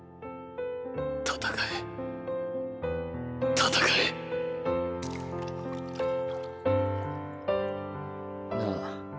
戦え戦え。なぁ